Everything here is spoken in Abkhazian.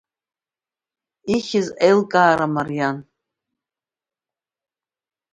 Ихьыз аилкаара мариан.